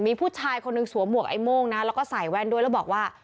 มีผู้ชายคนหนึ่งสวมหวกไอ้โม่งนะแล้วก็ใส่แว่นด้วยแล้วบอกว่า